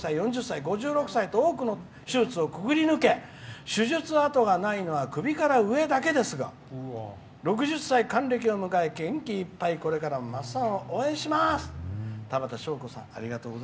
多くの手術をくぐり抜け手術痕がないのは首から上だけですが６０歳還暦を迎え元気いっぱいこれからもまっさんを応援します」。